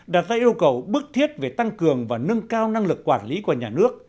đặt ra yêu cầu bức thiết về tăng cường và nâng cao năng lực quản lý của nhà nước